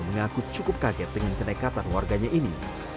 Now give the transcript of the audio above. mengaku cukup kaget dengan kenekatan warganya ini